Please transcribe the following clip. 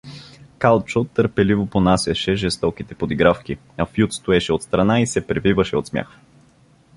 Калчо търпеливо понасяше жестоките подигравки, а Фют стоеше отстрана и се превиваше от смях.